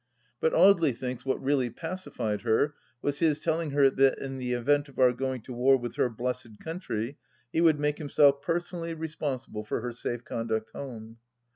But Audely thinks what really pacified her was his telling her that in the event of our going to war with her blessed country he would make himself personally responsible for her safe conduct home.